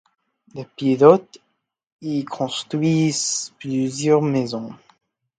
Les pilotes y construisent plusieurs maisons.